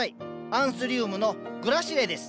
アンスリウムのグラシレです。